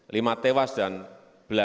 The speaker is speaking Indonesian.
lima tewas dan belasan orang luka luka